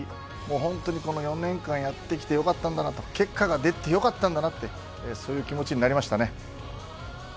本当にこの４年間やってきてよかったんだなと結果が出てよかったんだなとそういう気持ちになりましたね。